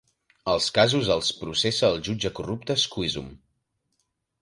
Els casos els processa el jutge corrupte Squeezum.